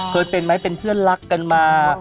เคยเป็นไหมเป็นเพื่อนรักกันมา